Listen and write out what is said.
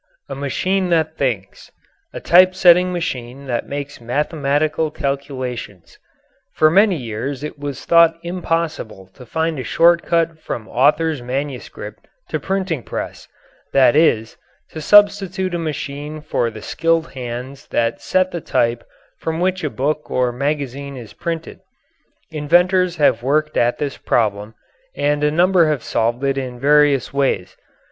A MACHINE THAT THINKS A Typesetting Machine That Makes Mathematical Calculations For many years it was thought impossible to find a short cut from author's manuscript to printing press that is, to substitute a machine for the skilled hands that set the type from which a book or magazine is printed. Inventors have worked at this problem, and a number have solved it in various ways.